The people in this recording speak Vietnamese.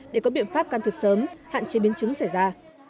để có biện pháp can thiệp sớm hạn chế biến chứng xảy ra